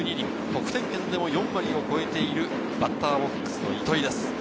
得点圏でも４割を超えているバッターボックスの糸井です。